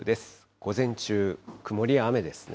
午前中、曇りや雨ですね。